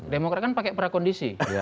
demokrat kan pakai prakondisi